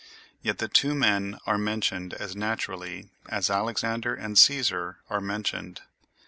Yet the two men are mentioned as naturally as Alexander and Cæsar are mentioned.